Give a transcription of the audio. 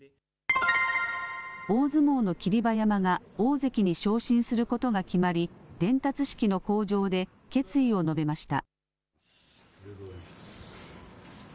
大相撲の霧馬山が、大関に昇進することが決まり、伝達式の口上で、決意を述べました。